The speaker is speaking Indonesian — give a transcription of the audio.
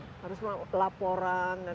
harus melakukan laporan dan kompetisi